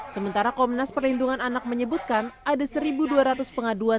sementara komnas perlindungan anak menyebutkan ada satu dua ratus pengaduan